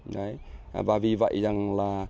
đấy và vì vậy rằng là